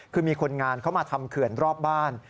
คือมีคนงานเข้ามาทำเขื่อนรอบบ้าน